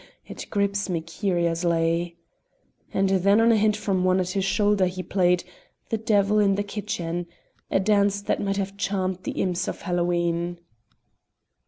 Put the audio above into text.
it grips me curiously;" and then on a hint from one at his shoulder he played "The Devil in the Kitchen," a dance that might have charmed the imps of Hallowe'en.